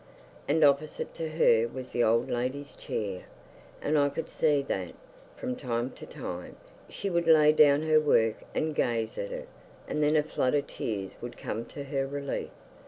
And opposite to her was the old lady's chair, and I could see that, from time to time, she would lay down her work and gaze at it, and then a flood of tears would come to her relief.